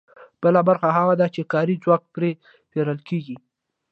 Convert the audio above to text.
بله برخه هغه ده چې کاري ځواک پرې پېرل کېږي